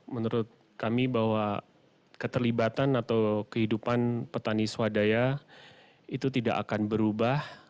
menurut kami bahwa keterlibatan atau kehidupan petani swadaya itu tidak akan berubah